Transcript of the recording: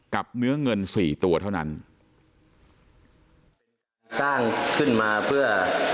เนื้อเงินสี่ตัวเท่านั้นสร้างขึ้นมาเพื่อ